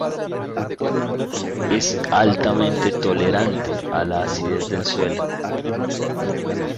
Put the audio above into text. Es altamente tolerante a la acidez del suelo.